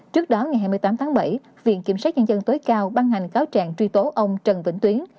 trước đó ngày hai mươi tám tháng bảy viện kiểm sát nhân dân tối cao ban hành cáo trạng truy tố ông trần vĩnh tuyến